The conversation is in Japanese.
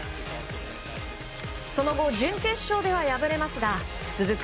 その後、準決勝では敗れますが続く